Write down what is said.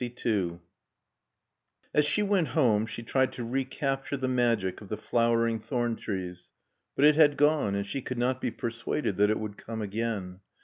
LXII As she went home she tried to recapture the magic of the flowering thorn trees. But it had gone and she could not be persuaded that it would come again.